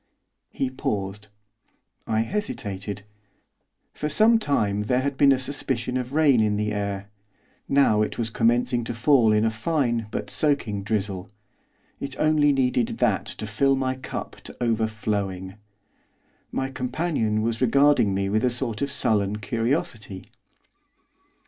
He paused. I hesitated. For some time there had been a suspicion of rain in the air. Now it was commencing to fall in a fine but soaking drizzle. It only needed that to fill my cup to overflowing. My companion was regarding me with a sort of sullen curiosity.